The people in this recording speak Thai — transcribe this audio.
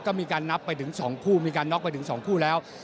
ก็มีการนับไปถึง๒คู่มีการน็อกไปถึง๒คู่แล้ว